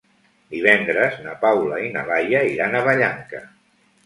Divendres na Paula i na Laia iran a Vallanca.